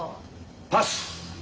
パス！